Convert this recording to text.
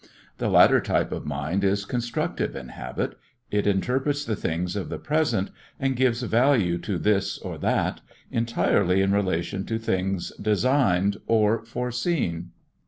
The latter type of mind is constructive in habit, it interprets the things of the present and gives value to this or that, entirely in relation to things designed or foreseen.